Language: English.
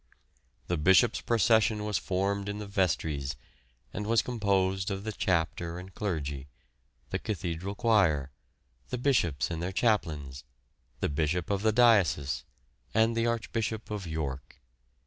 The Bishops' procession was formed in the vestries, and was composed of the Chapter and Clergy, the Cathedral Choir, the Bishops and their Chaplains, the Bishop of the Diocese, and the Archbishop of York.